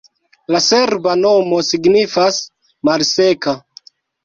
La serba nomo signifas: malseka.